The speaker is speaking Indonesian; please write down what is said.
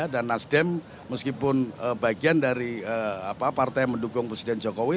dan nasdem meskipun bagian dari partai yang mendukung presiden jokowi